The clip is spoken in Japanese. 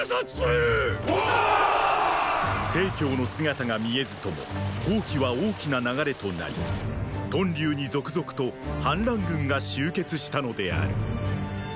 成の姿が見えずとも蜂起は大きな流れとなり屯留に続々と反乱軍が集結したのである。